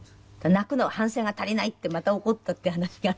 「泣くのは反省が足りない！」ってまた怒ったって話があるけど。